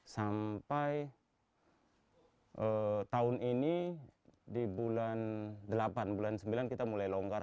sampai tahun ini di bulan delapan bulan sembilan kita mulai longgar